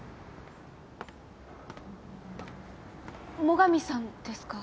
最上さんですか？